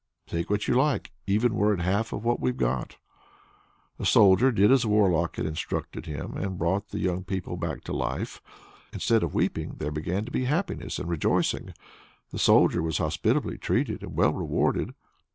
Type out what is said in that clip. "Take what you like, even were it half of what we've got!" The Soldier did as the Warlock had instructed him, and brought the young people back to life. Instead of weeping there began to be happiness and rejoicing; the Soldier was hospitably treated and well rewarded.